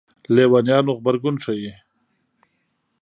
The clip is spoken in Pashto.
لېونیانو غبرګون ښيي.